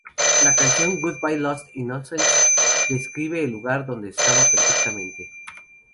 La canción “Goodbye Lost Innocence“ describe el lugar en donde estaba perfectamente.